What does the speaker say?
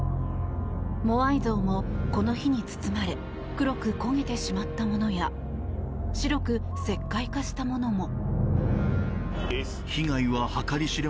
モアイ像も、この火に包まれ黒く焦げてしまったものや白く石灰化したものも。